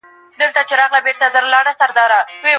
تکنالوژي که سالمه نه وي، ټولنه تباه کیږي.